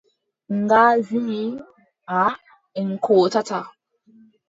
Nga wii: aaʼa en kootataa.